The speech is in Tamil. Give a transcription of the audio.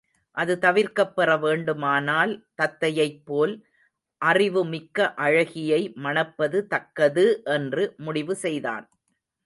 அது தவிர்க்கப்பெற வேண்டுமானால் தத்தையைப் போல் அறிவுமிக்க அழகியை மணப்பது தக்கது என்று முடிவு செய்தான்.